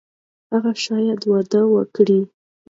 هغه شاید واده وکړي.